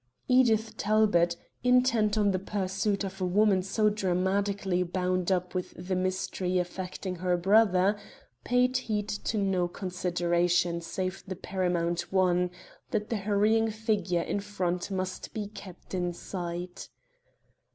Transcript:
Edith Talbot, intent on the pursuit of a woman so dramatically bound up with the mystery affecting her brother, paid heed to no consideration save the paramount one, that the hurrying figure in front must be kept in sight.